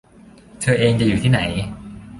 เธอเองจะอยู่ที่ไหน